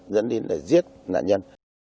dẫn đến để giết nạn nhân